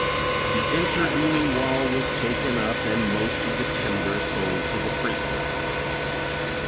The intervening wall was taken up and most of the timber sold to the prisoners.